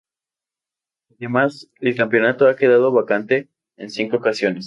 Además, el campeonato ha quedado vacante en cinco ocasiones.